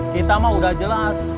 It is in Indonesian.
kita mah udah jelas